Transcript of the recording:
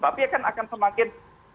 tapi akan semakin